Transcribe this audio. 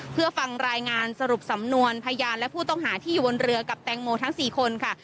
เพื่อฟังรายงานสรุปสำนวนพยานและผู้ต้องหาที่อยู่บนเรือกับแตงโมทั้ง๔คนค่ะ